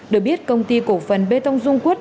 được biết công ty cổ phần bê tông dung quốc